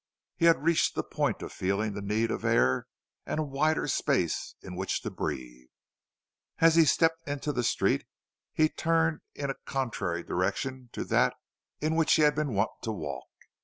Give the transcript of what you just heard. He had reached the point of feeling the need of air and a wider space in which to breathe. As he stepped into the street, he turned in a contrary direction to that in which he had been wont to walk.